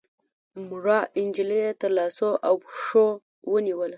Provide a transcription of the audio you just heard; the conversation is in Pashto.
مړه نجلۍ يې تر لاسو او پښو ونيوله